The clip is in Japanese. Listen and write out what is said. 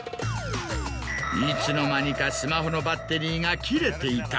いつの間にかスマホのバッテリーが切れていた。